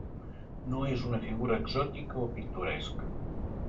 No és una figura exòtica o pintoresca.